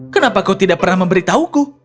kenapa kau tidak pernah memberitahuku